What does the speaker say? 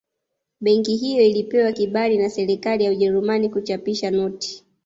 Benki hiyo ilipewa kibali na Serikali ya Ujerumani kuchapisha noti